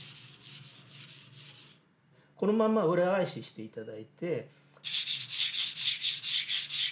このまま裏返しして頂いて。